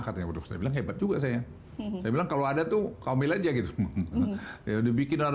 katanya udah saya bilang hebat juga saya bilang kalau ada tuh kau milajah gitu ya dibikin ada